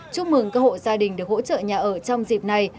chúc mừng cơ hội gia đình được hỗ trợ nhà ở trong dịp này